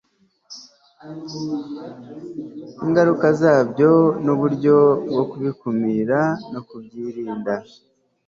ingaruka zabyo n'uburyo bwo kubikumira no kubyirinda